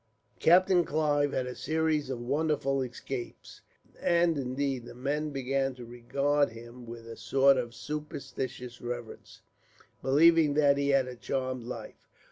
Captain Clive had a series of wonderful escapes, and indeed the men began to regard him with a sort of superstitious reverence, believing that he had a charmed life.